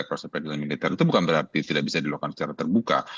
proses peradilan militer itu bukan berarti tidak bisa dilakukan secara terbuka